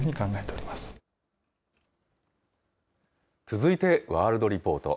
続いてワールドリポート。